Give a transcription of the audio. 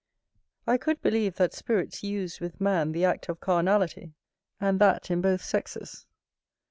I could believe that spirits use with man the act of carnality; and that in both sexes.